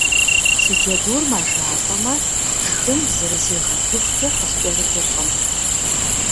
Си джэдур мэжалӏэмэ шхын зыризыгъэтыхукӏэ къыскӏэрыкӏкъым.